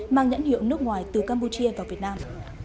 mang nhãn hiệu nước ngoài từ campuchia vào việt nam